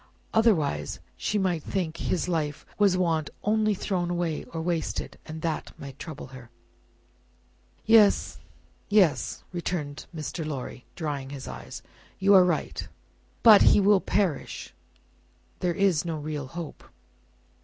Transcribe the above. Otherwise, she might think 'his life was wantonly thrown away or wasted,' and that might trouble her." "Yes, yes, yes," returned Mr. Lorry, drying his eyes, "you are right. But he will perish; there is no real hope."